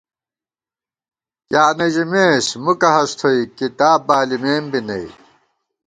کیاں نہ ژِمېس، مُکہ ہست تھوئی کِتاب بالِمېم بی نئ